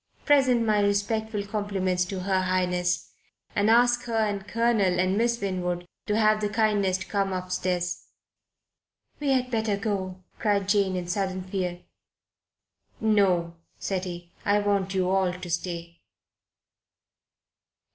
Present my respectful compliments to Her Highness, and ask her and Colonel and Miss Winwood to have the kindness to come upstairs." "We had better go," cried Jane in sudden fear. "No," said he. "I want you all to stay."